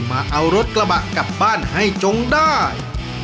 มาเอารถกระบะกลับบ้านให้จงได้